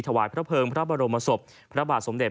ถวายพระเภิงพระบรมศพพระบาทสมเด็จ